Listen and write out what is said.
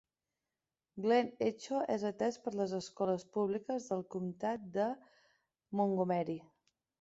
Glen Echo es atès per les escoles públiques del comtat de Montgomery.